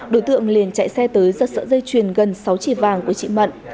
đối tượng liền chạy xe tới giật sợi dây chuyền gần sáu chỉ vàng của chị mận